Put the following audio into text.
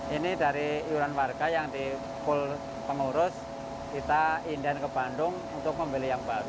ini dari iuran warga yang dikul pengurus kita indahin ke bandung untuk membeli yang baru